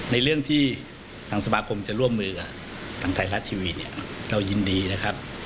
ในเรื่องที่ทางสมาคมจะร่วมมือกับทางไทยรัฐทีวีเนี่ยเรายินดีนะครับ